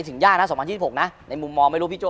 ถึงยากนะ๒๐๒๖นะในมุมมองไม่รู้พี่โจ